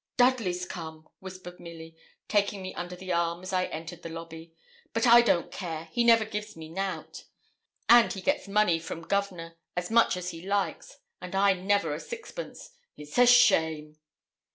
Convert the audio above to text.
'Dudley's come,' whispered Milly, taking me under the arm as I entered the lobby. 'But I don't care: he never gives me nout; and he gets money from Governor, as much as he likes, and I never a sixpence. It's a shame!'